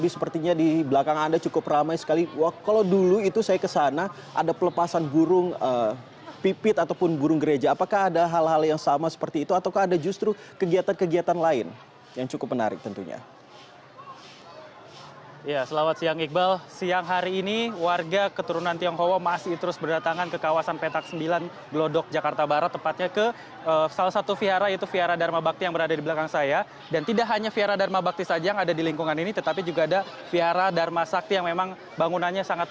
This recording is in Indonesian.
sampai jumpa di video selanjutnya